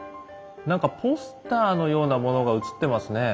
何かポスターのようなものが映ってますね。